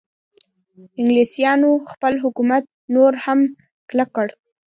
انګلیسانو خپل حکومت نور هم کلک کړ.